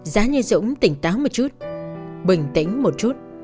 giá nhi dũng tỉnh táo một chút bình tĩnh một chút